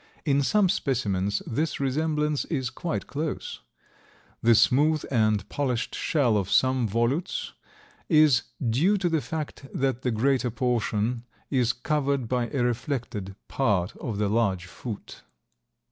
In some specimens this resemblance is quite close. The smooth and polished shell of some volutes is due to the fact that the greater portion is covered by a reflected part of the large foot.